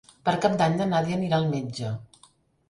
Per Cap d'Any na Nàdia anirà al metge.